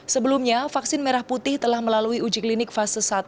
sebelumnya vaksin merah putih telah melalui uji klinik fase satu